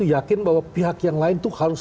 yakin bahwa pihak yang lain itu harus